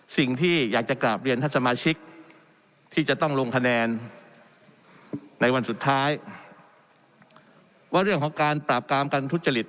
สิ่งที่อยากจะกราบเรียนท่านสมาชิกที่จะต้องลงคะแนนในวันสุดท้ายว่าเรื่องของการปราบกรามการทุจริต